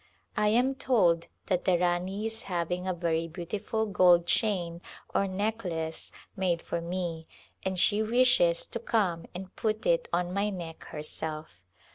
I am told that the Rani is having a very beautiful gold chain or necklace made for me and she wishes to come and put it on my neck herself.